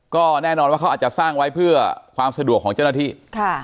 ก็แน่นอนว่าเขาอาจจะสร้างไว้เพื่อความสะดวกของเจ้าหน้าที่